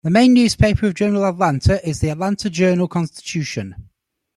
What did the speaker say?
The main newspaper of Greater Atlanta is the "Atlanta Journal-Constitution".